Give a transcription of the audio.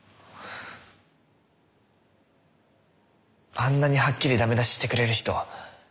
あんなにはっきりダメ出ししてくれる人